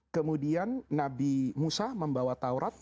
kemudian nabi musa membawa taurat